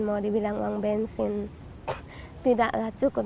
mau dibilang uang bensin tidaklah cukup